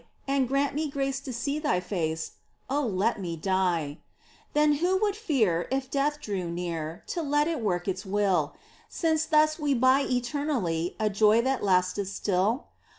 And grant me grace to see Thy face ! Oh, let me die ! Then who would fear, if death drew near, To let it work its will. 14 MINOR WORKS OF ST. TERESA. Since thus we buy eternally A joy that lasteth still